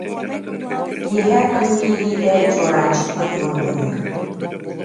Киэһэ күн киириитэ чуораанчыкпыт лыҥкыныыр.